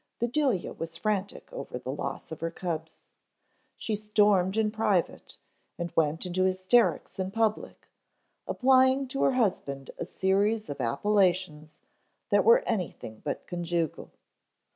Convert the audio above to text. Bedelia was frantic over the loss of her cubs. She stormed in private and went into hysterics in public, applying to her husband a series of appellations that were anything but conjugal.